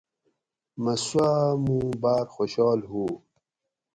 مہ سُواۤ مُو باۤر خوشال ہُو